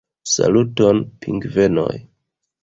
Saluton, pingvenoj!